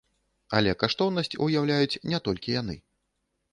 Але каштоўнасць уяўляюць не толькі яны.